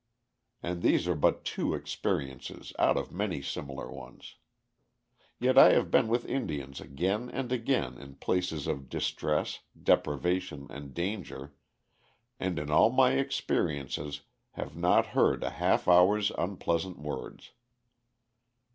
And these are but two experiences out of many similar ones. Yet I have been with Indians again and again in places of distress, deprivation, and danger, and in all my experiences have not heard a half hour's unpleasant words.